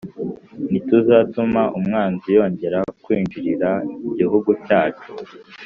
Ntituzatuma umwanzi yongera kwinjirira igihugu cyacu